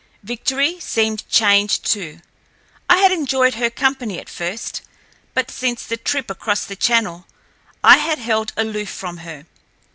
Victory seemed changed, too. I had enjoyed her company at first, but since the trip across the Channel I had held aloof from her.